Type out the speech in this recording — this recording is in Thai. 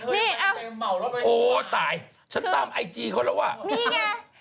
นี่โอ้ตายฉันตามไอจีเขาแล้วอ่ะนี่ไง